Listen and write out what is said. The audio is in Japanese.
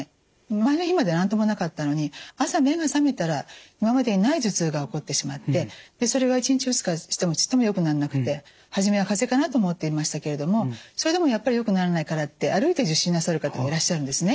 前の日まで何ともなかったのに朝目が覚めたら今までにない頭痛が起こってしまってそれが１日２日してもちっともよくならなくて初めは風邪かなと思っていましたけれどもそれでもやっぱりよくならないからって歩いて受診なさる方もいらっしゃるんですね。